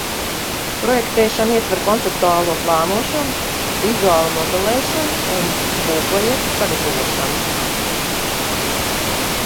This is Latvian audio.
Projektēšana ietver konceptuālo plānošanu, vizuālu modelēšanu un būvprojektu sagatavošanu.